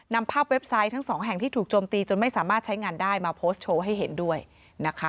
นำภาพเว็บไซต์ทั้งสองแห่งที่ถูกโจมตีจนไม่สามารถใช้งานได้มาโพสต์โชว์ให้เห็นด้วยนะคะ